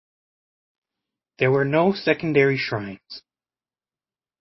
There were no secondary shrines.